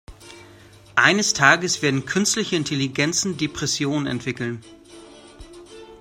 Eines Tages werden künstliche Intelligenzen Depressionen entwickeln.